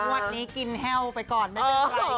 วันนี้กินแห้วไปก่อนไม่เป็นไร